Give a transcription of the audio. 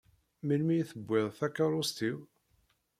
Melmi i tewwiḍ takeṛṛust-iw?